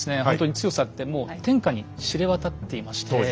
ほんとに強さってもう天下に知れ渡っていまして。